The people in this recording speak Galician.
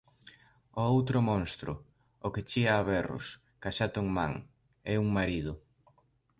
O outro monstro, o que chía a berros, caxato en man, é un marido.